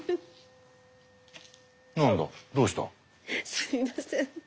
すみません